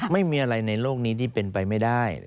ไม่มีอะไรในโลกนี้ที่เป็นไปไม่ได้